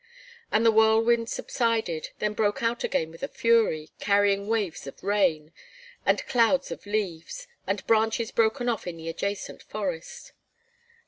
And the whirlwind subsided, then broke out again with a fury, carrying waves of rain, and clouds of leaves, and branches broken off in the adjacent forest.